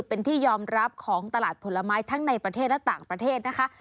เป็นที่ยอมรับของตลาดผลไม้ทั้งในประเทศและต่างประเทศนะคะ